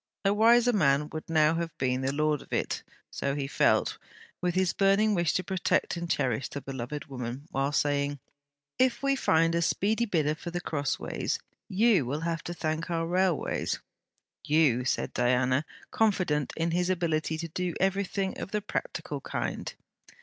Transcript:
A wiser man would now have been the lord of it.... So he felt, with his burning wish to protect and cherish the beloved woman, while saying: 'If we find a speedy bidder for The Crossways, you will have to thank our railways.' 'You!' said Diana, confident in his ability to do every thing of the practical kind.